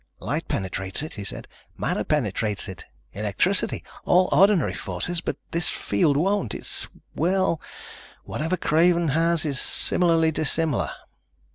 "Light penetrates it," he said. "Matter penetrates it, electricity, all ordinary forces. But this field won't. It's ... well, whatever Craven has is similarly dissimilar.